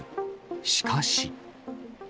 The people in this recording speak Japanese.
しかし。